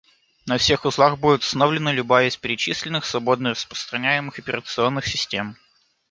На всех узлах будет установлена любая из перечисленных свободно-распространяемых операционных систем